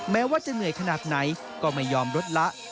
แม้ว่าจะเหนื่อยขนาดไหนก็ไม่ยอมลดละ